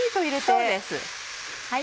そうです。